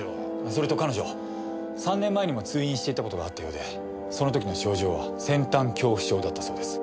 それと彼女３年前にも通院していた事があったようでその時の症状は先端恐怖症だったそうです。